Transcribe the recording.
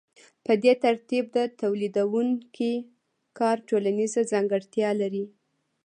په دې ترتیب د تولیدونکي کار ټولنیزه ځانګړتیا لري